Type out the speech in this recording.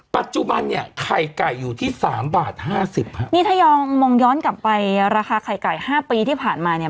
ปัจจุบันเนี่ยไข่ไก่อยู่ที่สามบาทห้าสิบฮะนี่ถ้ายอมมองย้อนกลับไปราคาไข่ไก่ห้าปีที่ผ่านมาเนี่ย